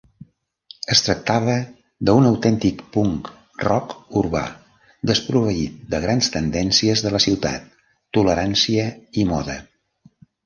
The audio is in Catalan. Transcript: Es tractava d'un autèntic punk rock urbà, desproveït de grans tendències de la ciutat, tolerància i moda.